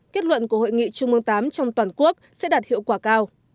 kết luận của hội nghị trung ương viii trong toàn quốc sẽ đạt hiệu quả cao